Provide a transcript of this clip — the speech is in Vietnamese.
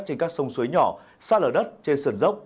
trên các sông suối nhỏ xa lở đất trên sườn dốc